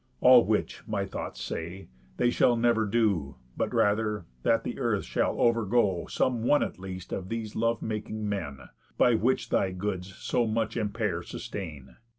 All which, my thoughts say, they shall never do, But rather, that the earth shall overgo Some one at least of these love making men, By which thy goods so much impair sustain."